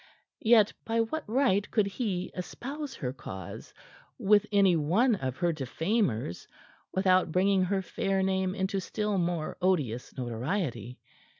Yet by what right could he espouse her cause with any one of her defamers without bringing her fair name into still more odious notoriety?